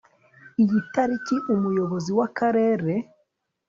iyi tariki umuyobozi w akarere